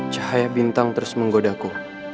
cahaya bintang terus menggodaku